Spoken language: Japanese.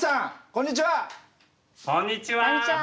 こんにちは。